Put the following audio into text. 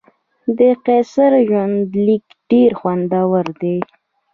د قیصر ژوندلیک ډېر خوندور دی.